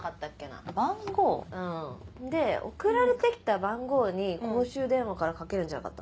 うんで送られてきた番号に公衆電話からかけるんじゃなかった？